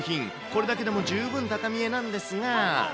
これだけでも十分高見えなんですが。